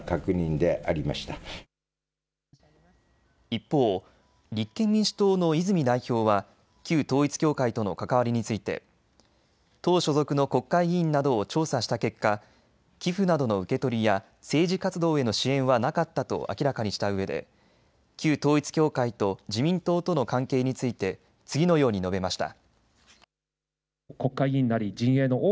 一方、立憲民主党の泉代表は旧統一教会との関わりについて党所属の国会議員などを調査した結果、寄付などの受け取りや政治活動への支援はなかったと明らかにしたうえで旧統一教会と自民党との関係について次のように述べました。